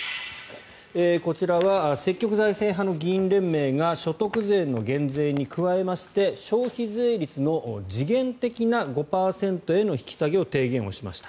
こちらは積極財政派の議員連盟が所得税の減税に加えまして消費税率の時限的な５％への引き下げを提言しました。